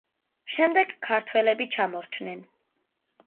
შემდეგ ქართველები ჩამორჩნენ.